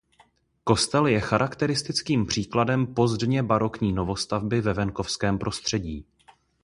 Kostel je charakteristickým příkladem pozdně barokní novostavby ve venkovském prostředí.